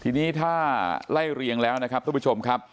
ทีนี้ถ้าไล่เรียงแล้วนะครับทุกผู้ชมครับ